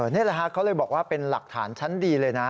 นี่แหละฮะเขาเลยบอกว่าเป็นหลักฐานชั้นดีเลยนะ